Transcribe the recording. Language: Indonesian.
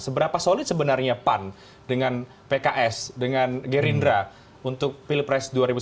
seberapa solid sebenarnya pan dengan pks dengan gerindra untuk pilpres dua ribu sembilan belas